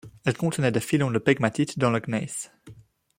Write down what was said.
Elles contenaient des filons de pegmatite dans le gneiss.